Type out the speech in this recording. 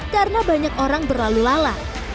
karena banyak orang berlalu lalat